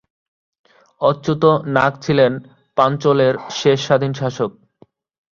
অচ্যুত নাগ ছিলেন পাঞ্চলের শেষ স্বাধীন শাসক।